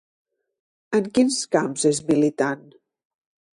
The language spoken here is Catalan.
En quins camps és militant?